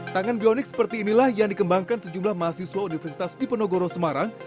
tangan bionik seperti inilah yang dikembangkan sejumlah mahasiswa universitas dipenogoro semarang